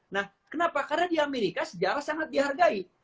nah kenapa karena di amerika sejarah sangat dihargai